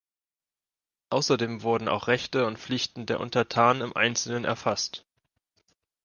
Außerdem wurden auch Rechte und Pflichten der Untertanen im Einzelnen erfasst.